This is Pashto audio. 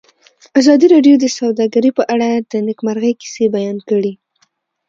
ازادي راډیو د سوداګري په اړه د نېکمرغۍ کیسې بیان کړې.